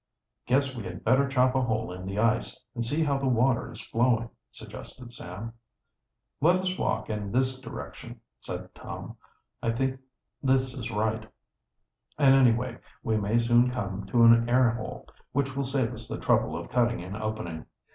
"Guess we had better chop a hole in the ice and see how the water is flowing," suggested Sam. "Let us walk in this direction," said Tom. "I think this is right, and, anyway, we may soon come to an air hole, which will save us the trouble of cutting an opening."